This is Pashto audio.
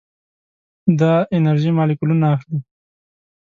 دا انرژي مالیکولونه اخلي.